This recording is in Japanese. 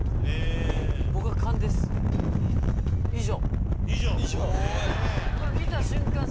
「以上」。